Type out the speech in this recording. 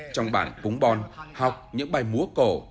trong bản cúng bon học những bài múa cổ